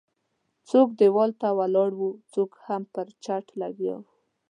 څوک ديوال ته ولاړ وو او څوک هم پر چت لګیا وو.